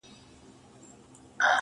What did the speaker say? کيسې د پروني ماښام د جنگ در اچوم.